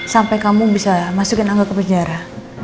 sampai kamu bisa masukin angga ke penjara